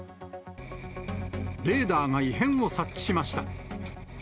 レーダーが異変を察知しました。